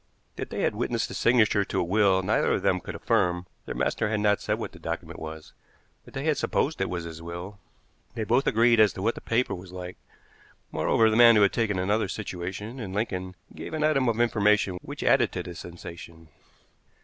That they had witnessed the signature to a will neither of them could affirm; their master had not said what the document was, but they had supposed it was his will. They both agreed as to what the paper was like. Moreover, the man who had taken another situation in Lincoln gave an item of information which added to the sensation.